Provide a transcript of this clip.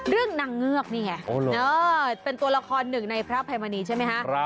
นางเงือกนี่ไงเป็นตัวละครหนึ่งในพระอภัยมณีใช่ไหมคะ